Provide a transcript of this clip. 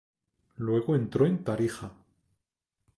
Luego entró en Tarija.